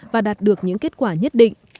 và đạt được những kết quả nhất định